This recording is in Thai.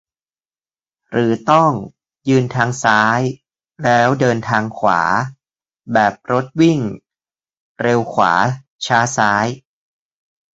หรือต้อง ยืนทางซ้าย แล้วเดินทางขวา ? แบบรถวิ่ง เร็วขวา-ช้าซ้าย ?